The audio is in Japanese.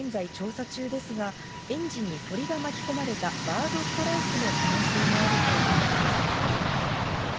事故原因は現在調査中ですが、エンジンに鳥が巻き込まれたバードストライクの可能性もあるということです。